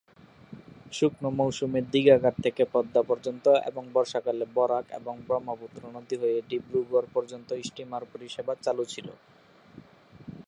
শুকনো মৌসুমে দীঘা ঘাট থেকে পদ্মা পর্যন্ত এবং বর্ষাকালে বরাক এবং ব্রহ্মপুত্র নদী হয়ে ডিব্রুগড় পর্যন্ত স্টিমার পরিষেবা চালু ছিল।